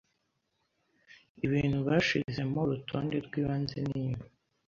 ibintu bashizemourutonde rwibanze ninyuma